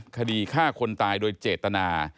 คดีฆ่าคนตายโดยเจตนา